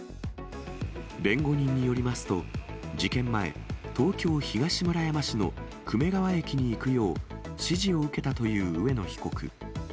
弁護人によりますと、事件前、東京・東村山市の久米川駅に行くよう、指示を受けたという上野被告。